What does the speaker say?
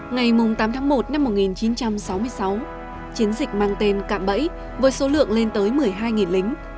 ngày tám tháng một năm một nghìn chín trăm sáu mươi sáu chiến dịch mang tên cạm bẫy với số lượng lên tới một mươi hai lính